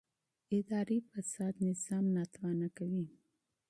اداري فساد نظام کمزوری کوي